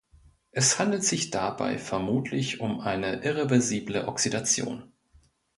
Es handelt sich dabei vermutlich um eine irreversible Oxidation.